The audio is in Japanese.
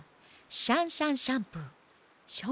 シャンシャンシャンプー。